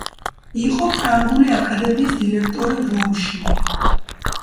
იყო ფრანგული აკადემიის დირექტორი რომში.